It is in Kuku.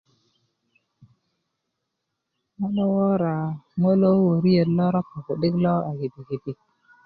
ŋo lo wora ŋo lo wöriet lo ropa ku'dik lo a piki piki